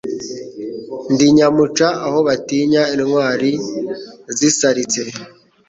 Ndi nyamuca aho batinya intwali zisaritse